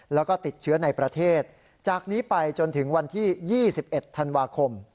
แล้วก็ติดเชื้อในประเทศจากนี้ไปจนถึงวันที่๒๑ธันวาคม